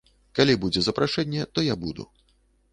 Калі будзе запрашэнне, то я буду.